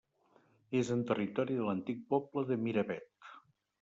És en territori de l'antic poble de Miravet.